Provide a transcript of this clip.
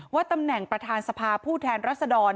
ว่าตำแหน่งประทานสภาผู้แทนรัฐษดร๔๕๕๕๕๕๕๕๕๕๕๕๕